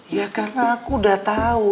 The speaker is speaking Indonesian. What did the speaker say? ya karena aku udah tahu